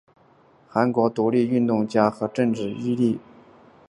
韩国独立运动家和政治人尹致昊的异母弟弟及尹致昌的同母亲兄。